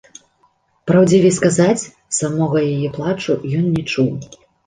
Праўдзівей сказаць, самога яе плачу ён не чуў.